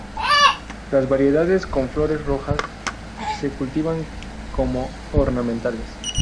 Las variedades con flores rojas se cultivan como ornamentales.